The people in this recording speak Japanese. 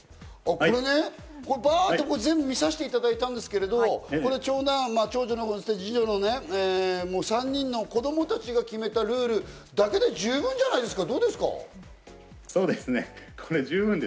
菅瀬さん、お父さん、ばっと全部見させていただいたんですけど、長男、長女、そして二女の３人の子供たちが決めたルールだけで十分じゃないですか？